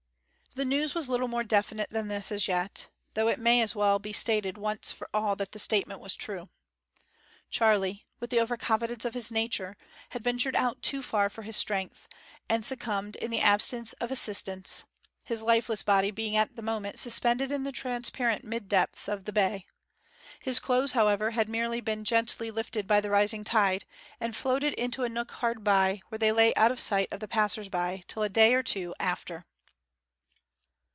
The news was little more definite than this as yet; though it may as well be stated once for all that the statement was true. Charley, with the over confidence of his nature, had ventured out too far for his strength, and succumbed in the absence of assistance, his lifeless body being at the moment suspended in the transparent mid depths of the bay. His clothes, however, had merely been gently lifted by the rising tide, and floated into a nook hard by, where they lay out of sight of the passers by till a day or two after.